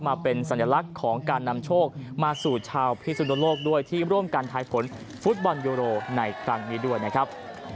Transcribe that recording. มาเป็นสัญลักษณ์ของการนำโชคมาสู่ชาวพิสุนโลกด้วยที่ร่วมกันทายผลฟุตบอลยูโรในครั้งนี้ด้วยนะครับ